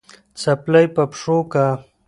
څپلۍ په پښو که